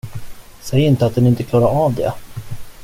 Säg inte att den inte klarar av det?